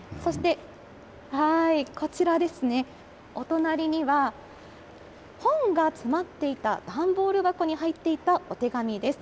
そしてこちらですね、お隣には、本が詰まっていた段ボール箱に入っていたお手紙です。